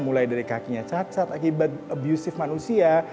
mulai dari kakinya cacat akibat abusive manusia